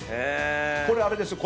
これあれですよ。